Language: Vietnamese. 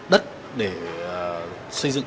đất để xây dựng